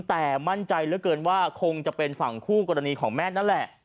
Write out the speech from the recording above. แต่มั่นใจเหลือเกินว่าคงจะเป็นฝั่งคู่กรณีของแม่นั่นแหละ